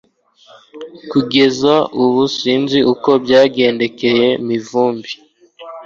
Kugeza ubu sinzi uko byagendekeye Mivumbi